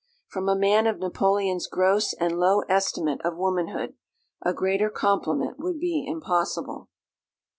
From a man of Napoleon's gross and low estimate of womanhood, a greater compliment would be impossible.